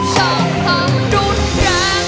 ฉันทำรุนแรง